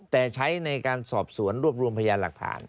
แต่ใช้ในการสอบสวนรวบรวมพยานหลักฐาน